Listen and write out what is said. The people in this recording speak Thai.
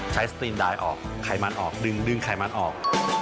สตรีนดายออกไขมันออกดึงไขมันออก